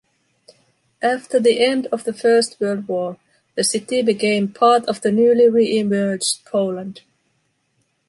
After the end of the First World War, the city became part of the newly re-emerged Poland.